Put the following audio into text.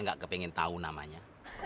nggak kepengen tahu namanya